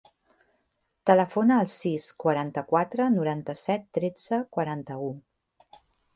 Telefona al sis, quaranta-quatre, noranta-set, tretze, quaranta-u.